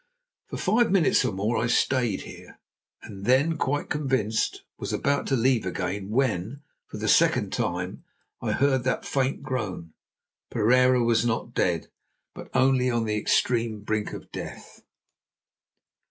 For five minutes or more I stayed here, and then, quite convinced, was about to leave again when, for the second time, I heard that faint groan. Pereira was not dead, but only on the extreme brink of death!